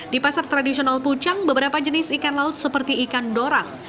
di pasar tradisional pucang beberapa jenis ikan laut seperti ikan dorang